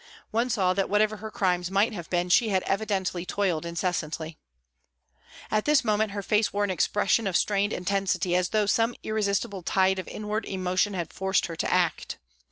One saw that whatever her crimes might have been she had evidently toiled incessantly. At this moment her face wore an expression of strained intensity as though some irresistible tide of inward emotion had forced her to act.